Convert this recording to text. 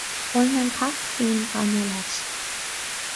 Ólann an cat ciúin bainne leis